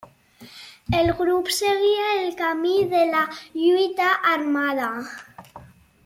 El grup seguia el camí de la lluita armada.